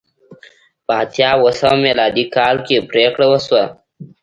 په اتیا اوه سوه میلادي کال کې پرېکړه وشوه